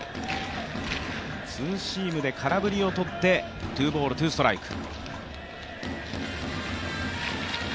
ツーシームで空振りをとってツーストライク。